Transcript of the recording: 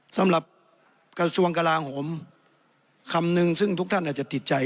สำหรับกระทรวงกลาโหมคำนึงซึ่งทุกท่านอาจจะติดใจ